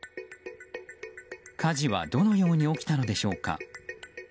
火事はどのように起きたのでしょうか。